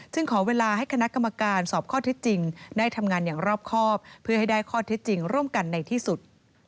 ขอเวลาให้คณะกรรมการสอบข้อเท็จจริงได้ทำงานอย่างรอบครอบเพื่อให้ได้ข้อเท็จจริงร่วมกันในที่สุด